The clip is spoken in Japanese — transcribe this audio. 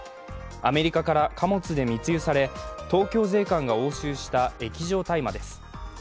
アメリカから貨物で密輸され東京税関が押収した液状大麻です。